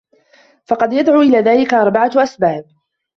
فَقَدْ يَدْعُو إلَى ذَلِكَ أَرْبَعَةُ أَسْبَابٍ